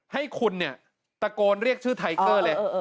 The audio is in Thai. ให้คุณเนี่ยตะโกนเรียกชื่อไทเกอร์เลย